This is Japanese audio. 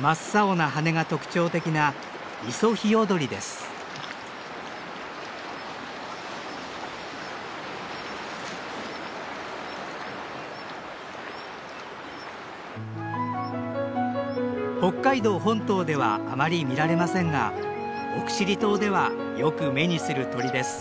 真っ青な羽が特徴的な北海道本島ではあまり見られませんが奥尻島ではよく目にする鳥です。